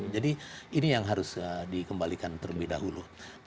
jadi ini yang harus dikembalikan terlebih dahulu